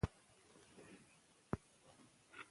هغه مهال چې روغتیا ته پام وشي، ناڅاپي ناروغۍ به زیاتې نه شي.